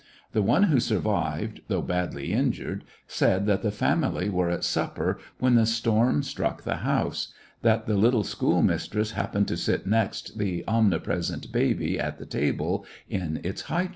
The one who survived, though badly injured, said that the family were at supper when the storm struck the house ; that the little schoolmistress hap pened to sit next the omnipresent baby at the table in its high chair.